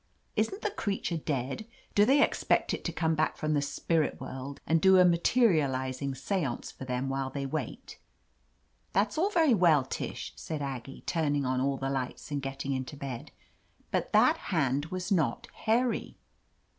"Isn't the creature dead? Do they expect it to come back from the spirit world and do a materializing seance for them while they wait?" "That's all very well, Tish," said Aggie, turning on all the lights and getting into bed, "but that hand was not hairy."